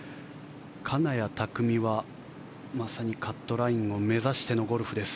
金谷拓実はまさにカットラインを目指してのゴルフです。